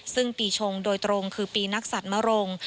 ซึ่งปีชงโดยตรงคือปีนักศัตริย์มรงค์